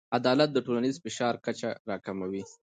عدالت د ټولنیز فشار کچه راکموي.